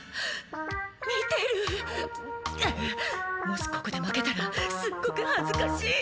もしここで負けたらすっごくはずかしい。